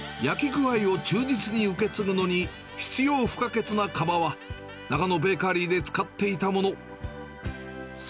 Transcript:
焼き具合を忠実に受け継ぐのに必要不可欠な窯は、長野ベーカリーで使っていたもの。